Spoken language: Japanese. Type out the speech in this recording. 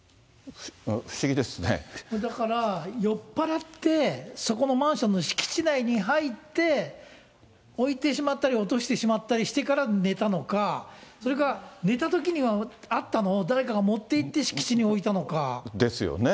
だから、酔っ払ってそこのマンションの敷地内に入って、置いてしまったり、落としてしまったりしてから寝たのか、それから寝たときにはあったのを誰かが持っていって敷地に置いたですよね。